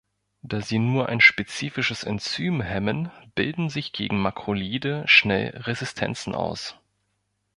Da sie nur ein spezifisches Enzym hemmen, bilden sich gegen Makrolide schnell Resistenzen aus.